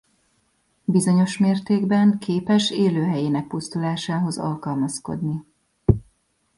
Bizonyos mértékben képes élőhelyének pusztulásához alkalmazkodni.